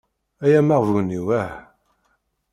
Ay amaɣbun-iw ah.